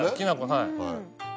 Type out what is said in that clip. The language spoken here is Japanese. はい。